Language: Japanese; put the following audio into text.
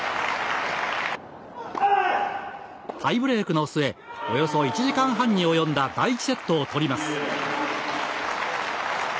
タイブレークの末およそ１時間半に及んだ第１セットを取ります。